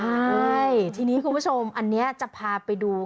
ใช่ทีนี้คุณผู้ชมอันนี้จะพาไปดู